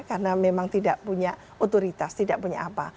karena memang tidak punya otoritas tidak punya apa